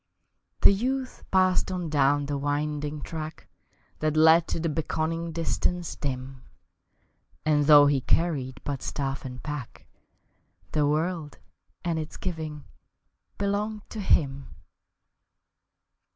The youth passed on down the winding track That led to the beckoning distance dim, And though he carried but staff and pack, The world and its giving belonged to him.